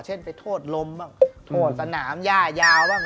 เช่นไปโทษลมบ้างโทษสนามย่ายาวบ้าง